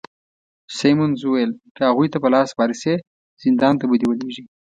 سیمونز وویل: که هغوی ته په لاس ورشې، زندان ته به دي ولیږي.